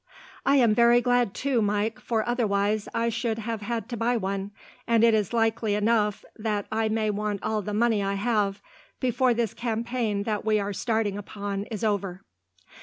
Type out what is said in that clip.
"I am very glad, too, Mike, for otherwise I should have had to buy one, and it is likely enough that I may want all the money I have, before this campaign that we are starting upon is over."